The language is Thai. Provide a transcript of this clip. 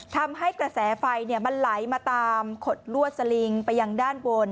ทำให้กระแสไฟมันไหลมาตามขดลวดสลิงไปยังด้านบน